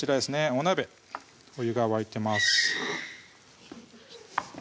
お鍋お湯が沸いてます